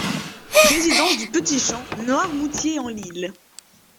Résidence du Petit Champ, Noirmoutier-en-l'Île